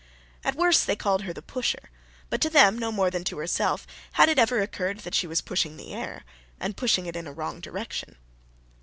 At worst they called her The Pusher; but to them no more than to herself had it ever occurred that she was pushing the air, and pushing it in a wrong direction.